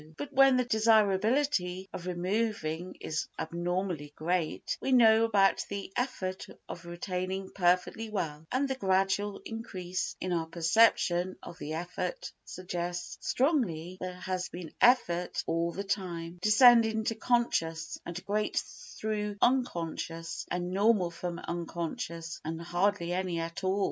But when the desirability of removing is abnormally great, we know about the effort of retaining perfectly well, and the gradual increase in our perception of the effort suggests strongly that there has been effort all the time, descending to conscious and great through unconscious and normal from unconscious and hardly any at all.